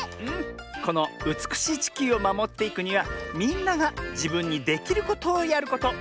このうつくしいちきゅうをまもっていくにはみんながじぶんにできることをやること。